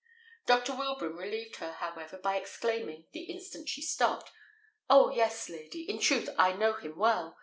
Dr. Wilbraham relieved her, however, by exclaiming, the instant she stopped, "Oh, yes, lady; in truth I know him well.